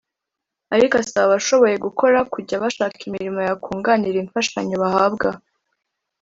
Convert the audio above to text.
ariko asaba abashoboye gukora kujya bashaka imirimo yakunganira imfashanyo bahabwa